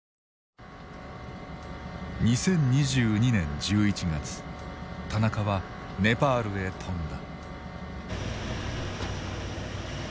２０２２年１１月田中はネパールへ飛んだ。